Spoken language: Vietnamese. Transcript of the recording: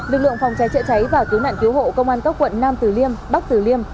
lực lượng phòng cháy chữa cháy và cứu nạn cứu hộ công an các quận nam tử liêm bắc tử liêm